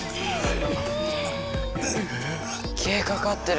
きえかかってる。